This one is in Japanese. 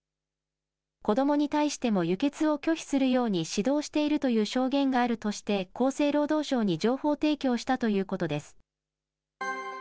子どもに対しても輸血を拒否するように指導しているという証言があるとして厚生労働省に情報提供したということです。